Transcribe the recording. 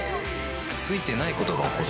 ついてないことが起こる